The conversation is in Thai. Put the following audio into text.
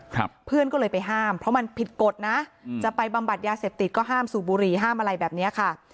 เพื่อนก็เลยไปห้ามเพราะมันผิดกฎนะอืมจะไปบำบัดยาเสพติดก็ห้ามสูบบุหรี่ห้ามอะไรแบบเนี้ยค่ะ